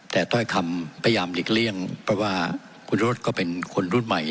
แต่ถ้อยคำพยายามหลีกเลี่ยงเพราะว่าคุณรถก็เป็นคนรุ่นใหม่